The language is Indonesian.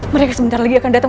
mereka sebentar lagi akan datang